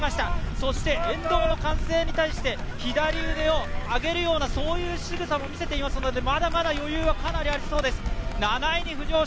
そして沿道の歓声に対して左腕を上げるようなそういうしぐさも見せていますので、まだまだ余裕はあるように見えます。